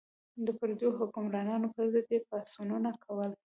د پردیو حکمرانانو پر ضد یې پاڅونونه کول.